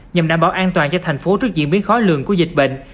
nhằm đảm bảo an toàn cho thành phố trước diễn biến khó lường của dịch bệnh